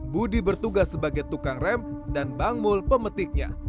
budi bertugas sebagai tukang rem dan bang mul pemetiknya